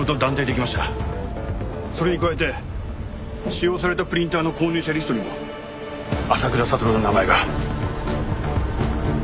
それに加えて使用されたプリンターの購入者リストにも浅倉悟の名前が。